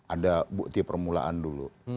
ada bukti permulaan dulu